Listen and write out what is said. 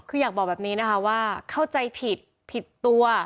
คืออยากบอกแบบนี้นะคะว่าเข้าใจผิดผิดตัว